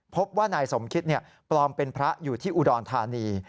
พบว่านายสมคิตปลอมเป็นพระอยู่ที่อุดรธานี